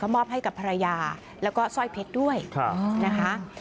มอบให้กับภรรยาแล้วก็สร้อยเพชรด้วยนะคะ